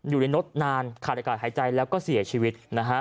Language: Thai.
อยู่ในรถนานขาดอากาศหายใจแล้วก็เสียชีวิตนะฮะ